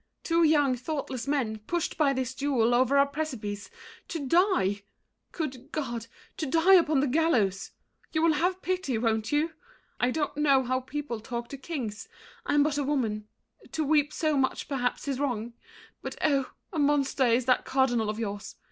Two young, thoughtless men, Pushed by this duel o'er a precipice To die! Good God! to die upon the gallows! You will have pity, won't you? I don't know How people talk to kings—I'm but a woman; To weep so much perhaps is wrong. But oh, A monster is that cardinal of yours.